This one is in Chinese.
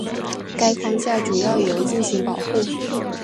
该框架主要由进行维护。